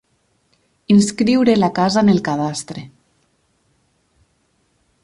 Inscriure la casa en el cadastre.